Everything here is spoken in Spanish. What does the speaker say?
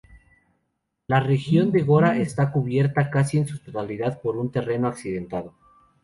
La región de Gora está cubierta casi en su totalidad por un terreno accidentado.